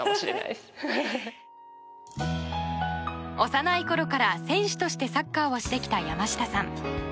幼いころから、選手としてサッカーをしてきた、山下さん。